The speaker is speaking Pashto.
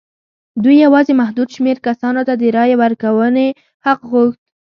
دوی یوازې محدود شمېر کسانو ته د رایې ورکونې حق غوښت.